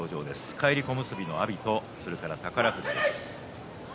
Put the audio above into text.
返り三役の阿炎と宝富士です。